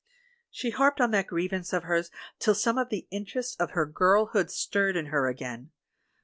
"She harped on that grievance of hers till some of the interests of her girlhood stirred in her again.